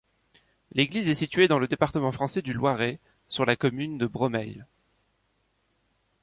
L'église est située dans le département français du Loiret, sur la commune de Bromeilles.